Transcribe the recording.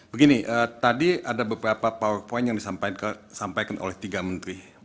begini tadi ada beberapa power point yang disampaikan oleh tiga menteri